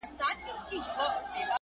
په ښارونو په دښتونو کي وړیا وه.!